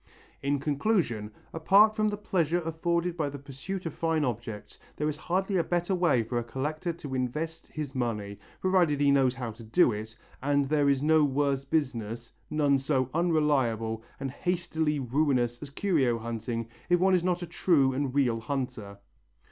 In conclusion, apart from the pleasure afforded by the pursuit of fine objects, there is hardly a better way for a collector to invest his money, provided he knows how to do it; and there is no worse business, none so unreliable and hastily ruinous as curio hunting if one is not a true and real hunter.